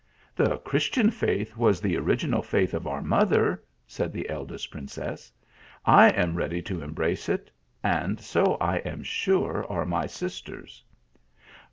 " The Christian faith was the original faith of our mother," said the eldest princess ;" I am ready to embrace it ; and so I am sure are iny sisters."